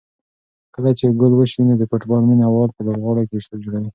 کله چې ګول وشي نو د فوټبال مینه وال په لوبغالي کې شور جوړوي.